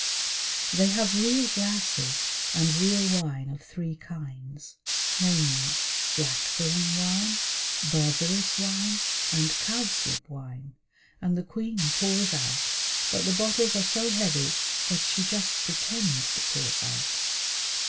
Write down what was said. They have real glasses and real wine of three kinds, namely, blackthorn wine, berberris wine, and cowslip wine, and the Queen pours out, but the bottles are so heavy that she just pretends to pour out.